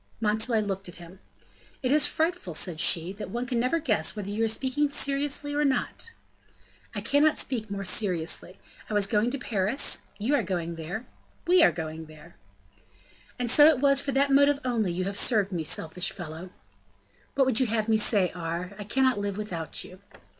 Montalais looked at him. "It is frightful," said she, "that one can never guess whether you are speaking seriously or not." "I cannot speak more seriously. I was going to Paris, you are going there, we are going there." "And so it was for that motive only you have served me; selfish fellow!" "What would you have me say, Aure? I cannot live without you."